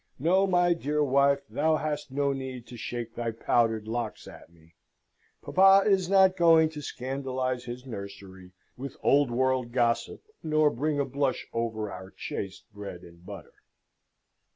No, my dear wife, thou hast no need to shake thy powdered locks at me! Papa is not going to scandalise his nursery with old world gossip, nor bring a blush over our chaste bread and butter.